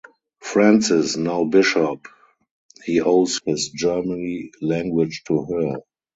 Francis (Now Bishop) He owes his Germany language to her.